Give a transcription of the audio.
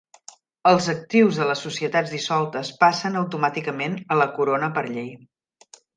Els actius de les societats dissoltes passen automàticament a la Corona per llei.